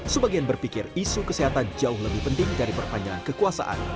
sebagian berpikir isu kesehatan jauh lebih penting dari perpanjangan kekuasaan